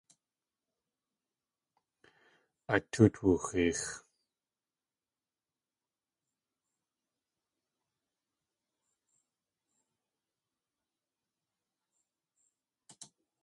Du tóot wooxeex.